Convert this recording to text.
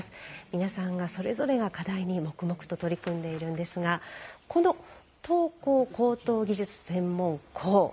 皆さんそれぞれが課題に黙々と取り組んでいるんですがこの陶工高等技術専門校。